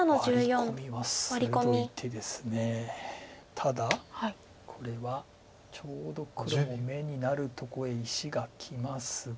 ただこれはちょうど黒の眼になるとこへ石がきますが。